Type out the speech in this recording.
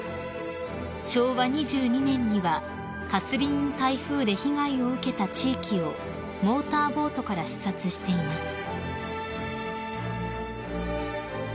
［昭和２２年にはカスリーン台風で被害を受けた地域をモーターボートから視察しています］